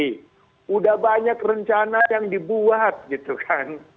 sudah banyak rencana yang dibuat gitu kan